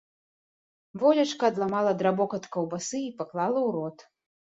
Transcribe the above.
Волечка адламала драбок ад каўбасы і паклала ў рот.